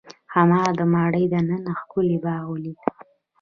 هغه د ماڼۍ دننه ښکلی باغ ولید.